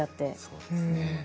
そうですね。